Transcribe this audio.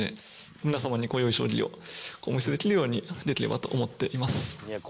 皆様に、良い将棋をお見せできるようにできればと思っています。